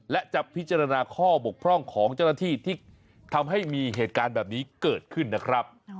และจะพิจารณาข้อบกพร่องของเจ้าหน้าที่ที่ทำให้มีเหตุการณ์แบบนี้เกิดขึ้นนะครับ